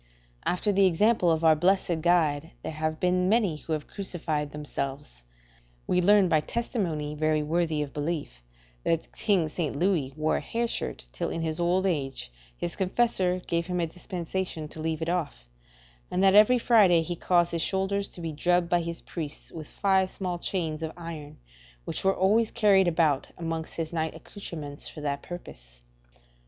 After the example of our blessed Guide there have been many who have crucified themselves. We learn by testimony very worthy of belief, that King St. Louis wore a hair shirt till in his old age his confessor gave him a dispensation to leave it off; and that every Friday he caused his shoulders to be drubbed by his priest with five small chains of iron which were always carried about amongst his night accoutrements for that purpose.